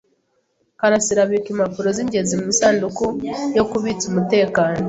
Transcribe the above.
Karasiraabika impapuro zingenzi mu isanduku yo kubitsa umutekano.